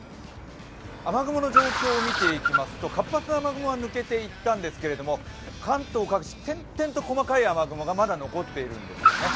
雨雲の状況を見ていきますと、活発な雨雲は抜けていったんですが、関東各地、点々と細かい雨雲がまだ残ってるんですよね。